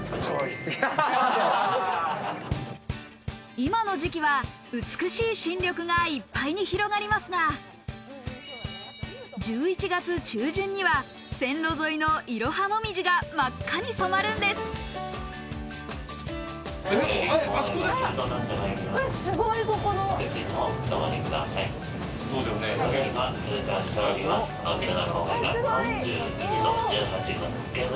今の時期は美しい新緑がいっぱいに広がりますが、１１月中旬には、線路沿いのイロハモミジが真っ赤に染まるんです。